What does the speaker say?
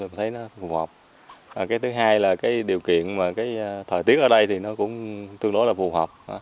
cái thứ hai là cái điều kiện mà cái thời tiết ở đây thì nó cũng tương đối là phù hợp